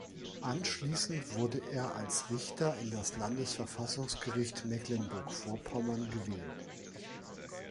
Anschließend wurde er als Richter in das Landesverfassungsgericht Mecklenburg-Vorpommern gewählt.